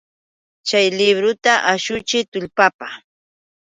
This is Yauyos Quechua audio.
Chay libruta ashuchiy tullpapa!